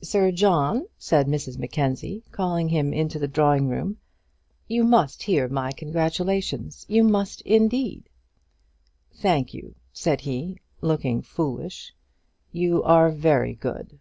"Sir John," said Mrs Mackenzie, calling him into the drawing room; "you must hear my congratulations; you must, indeed." "Thank you," said he, looking foolish; "you are very good."